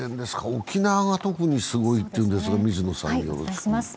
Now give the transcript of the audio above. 沖縄が特にすごいというんですが、水野さん、よろしく。